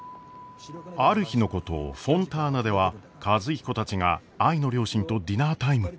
ある日のことフォンターナでは和彦たちが愛の両親とディナータイム。